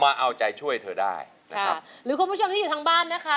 มาเอาใจช่วยเธอได้ค่ะหรือคนผู้ชมที่อยู่ทั้งบ้านนะคะ